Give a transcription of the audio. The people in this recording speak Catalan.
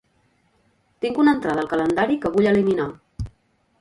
Tinc una entrada al calendari que vull eliminar.